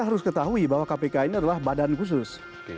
harus ketahui bahwa kpk ini adalah badan khusus